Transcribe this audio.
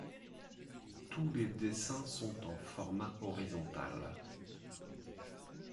Tous les dessins sont en format horizontal.